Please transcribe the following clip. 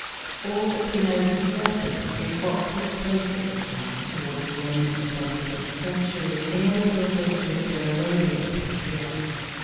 All that we know for certain is what took place at the time towards the end of the twenty fifth century in a little district of Arabia Petræa.